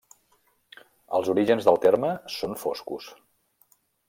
Els orígens del terme són foscos.